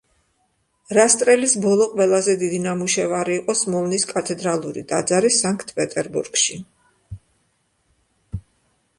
რასტრელის ბოლო ყველაზე დიდი ნამუშევარი იყო სმოლნის კათედრალური ტაძარი, სანქტ-პეტერბურგში.